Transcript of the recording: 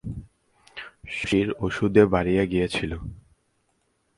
শশীর ওষুধে বাড়িয়া গিয়াছিল।